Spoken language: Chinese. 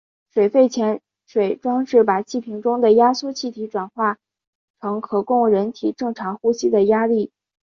水肺潜水装置把气瓶中的压缩气体转化成可供人体正常呼吸的压力。